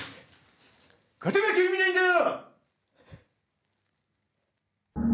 勝てなきゃ意味ないんだよ！